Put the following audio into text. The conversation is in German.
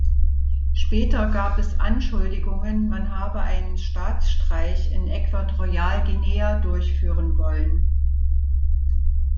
Später gab es Anschuldigungen, Mann habe einen Staatsstreich in Äquatorialguinea durchführen wollen.